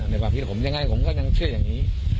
ความคิดผมยังไงผมก็ยังเชื่ออย่างนี้